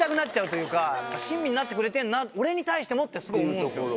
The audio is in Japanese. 親身になってくれてるなって俺に対してもってすごい思うんですよ。